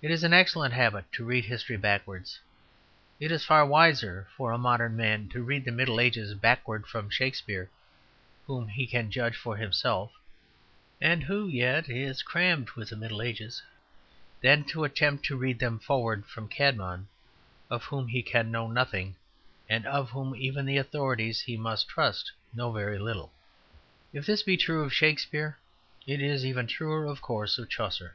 It is an excellent habit to read history backwards. It is far wiser for a modern man to read the Middle Ages backwards from Shakespeare, whom he can judge for himself, and who yet is crammed with the Middle Ages, than to attempt to read them forwards from Cædmon, of whom he can know nothing, and of whom even the authorities he must trust know very little. If this be true of Shakespeare, it is even truer, of course, of Chaucer.